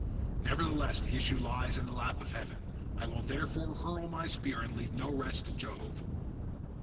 Nevertheless the issue lies on the lap of heaven, I will therefore hurl my spear and leave the rest to Jove."